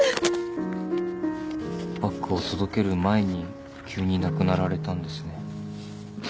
バッグを届ける前に急に亡くなられたんですね。